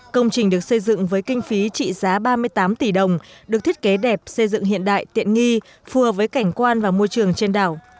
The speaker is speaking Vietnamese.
công trình được xây dựng với kinh phí trị giá ba mươi tám tỷ đồng được thiết kế đẹp xây dựng hiện đại tiện nghi phù hợp với cảnh quan và môi trường trên đảo